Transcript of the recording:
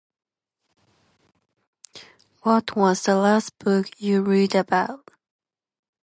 What was the last book you read about?